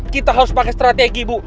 kita harus pakai strategi bu